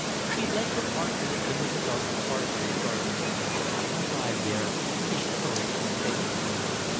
He led her artfully into the darkest parts of the garden, but having arrived there his courage failed him.